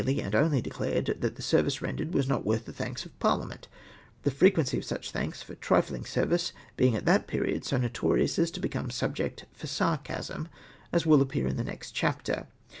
}' and only declared that the service rendered was not worth the thanks of Parhament ; the frequency of such thanks for trifling service being at that period so notorious as to become subject for sarcasm, as will appear in the next chapter.